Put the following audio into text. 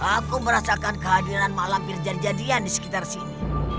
aku merasakan kehadiran malam birjari jadian di sekitar sini